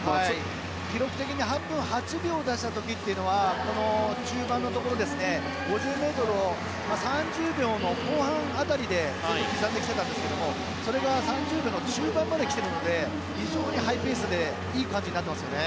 記録的に８分８秒を出した時というのはこの中盤のところ５０ｍを３０秒の後半辺りでずっと刻んできていたんですがそれが３０秒中盤まで来てるのでハイペースでいい感じですね。